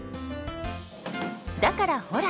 だからほら！